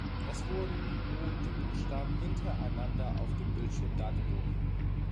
Es wurden nun die Buchstaben hintereinander auf dem Bildschirm dargeboten.